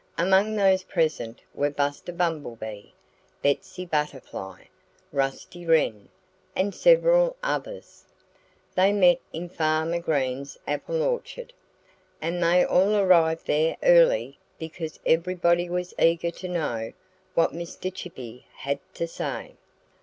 Among those present were Buster Bumblebee, Betsy Butterfly, Rusty Wren, and several others. They met in Farmer Green's apple orchard. And they all arrived there early because everybody was eager to know what Mr. Chippy had to say.